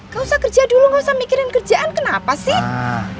gak usah kerja dulu nggak usah mikirin kerjaan kenapa sih